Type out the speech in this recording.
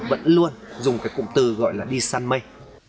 vẫn luôn dùng cái cụm từ gọi là đi săn mây